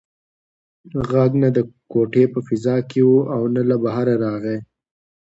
غږ نه د کوټې په فضا کې و او نه له بهره راغی.